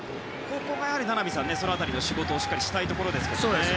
ここが名波さんその辺りの仕事をしっかりしたいところですね。